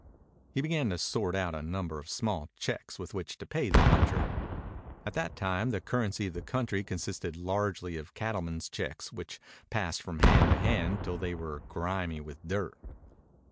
He began to sort out a number of small checks with which to pay the puncher. At that time the currency of the country consisted largely of cattlemen's checks which passed from hand to hand till they were grimy with dirt.